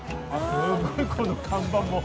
すごいこの看板も。